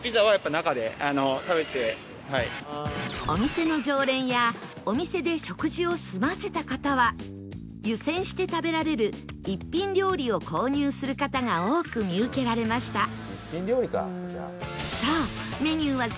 お店の常連やお店で食事を済ませた方は湯煎して食べられる一品料理を購入する方が多く見受けられました